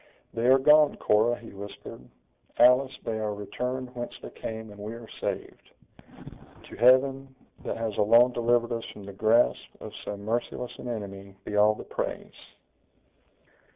"They are gone, Cora!" he whispered; "Alice, they are returned whence they came, and we are saved! To Heaven, that has alone delivered us from the grasp of so merciless an enemy, be all the praise!"